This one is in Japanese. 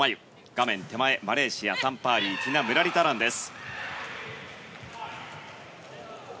画面手前、マレーシアタン・パーリーティナ・ムラリタランです。